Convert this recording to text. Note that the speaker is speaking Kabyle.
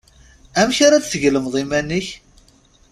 Amek ara d-tgelmeḍ iman-ik?